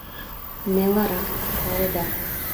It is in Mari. Нелырак, паледа.